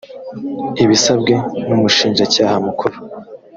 ibisabwe n umushinjacyaha mukuru